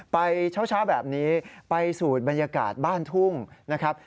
ไปเช้าแบบนี้ไปสูตรบรรยากาศบ้านทุ่งนะครับ